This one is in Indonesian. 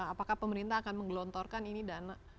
apakah pemerintah akan menggelontorkan ini dana